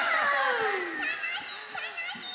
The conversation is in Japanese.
たのしいたのしい！